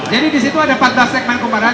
jadi disitu ada empat belas segmen kumparan